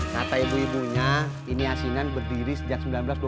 kata ibu ibunya ini asinan berdiri sejak seribu sembilan ratus delapan puluh